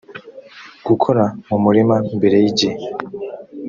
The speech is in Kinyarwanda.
gukora mu murima mbere y igihe